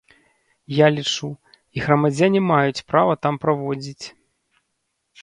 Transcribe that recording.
Я лічу, і грамадзяне маюць права там праводзіць.